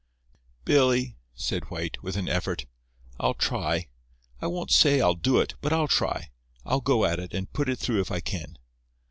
"Billy," said White, with an effort, "I'll try. I won't say I'll do it, but I'll try. I'll go at it, and put it through if I can."